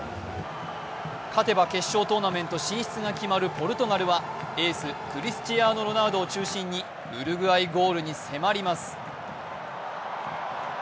勝てば決勝トーナメント進出が決まるポルトガルは、エース、クリスチアーノ・ロナウドを中心にウルグアイゴールに迫ります。